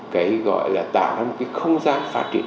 cái gọi là tạo ra một cái không gian phát triển